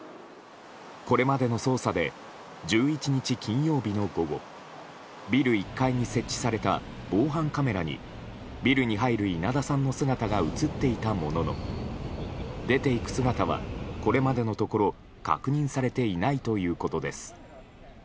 これまでの捜査で１１日、金曜日の午後ビル１階に設置された防犯カメラにビルに入る稲田さんの姿が映っていたものの出ていく姿はこれまでのところ確認されていないということです。